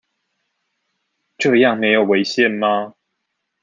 這樣沒有違憲嗎？